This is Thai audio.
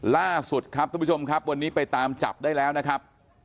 ล่าสุดครับทุกผู้ชมครับวันนี้ไปตามจับได้แล้วนะครับ